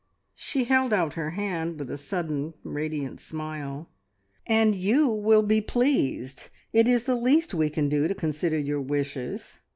She held out her hand with a sudden, radiant smile. "And you will be pleased! It is the least we can do to consider your wishes.